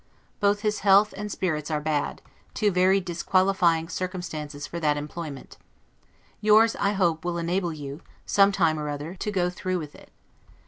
Both his health and spirits are bad, two very disqualifying circumstances for that employment; yours, I hope, will enable you, some time or other, to go through with it.